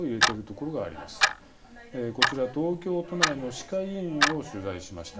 こちら東京都内の歯科医院を取材しました。